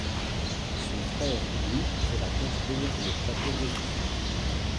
Son frère Louis fera construire le château Régis.